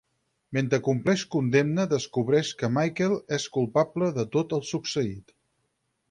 Mentre compleix condemna, descobreix que Michael és culpable de tot el succeït.